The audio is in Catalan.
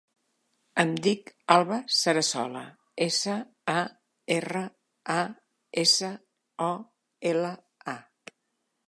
Em dic Alba Sarasola: essa, a, erra, a, essa, o, ela, a.